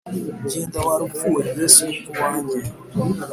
Genda wa rupfu we yesu ni uwanjye